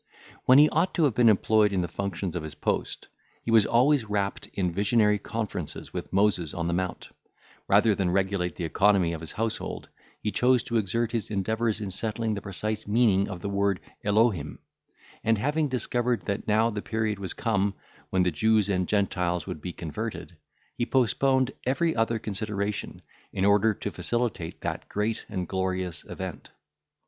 When he ought to have been employed in the functions of his post, he was always wrapt in visionary conferences with Moses on the Mount; rather than regulate the economy of his household, he chose to exert his endeavours in settling the precise meaning of the word Elohim; and having discovered that now the period was come, when the Jews and Gentiles would be converted, he postponed every other consideration, in order to facilitate that great and glorious event.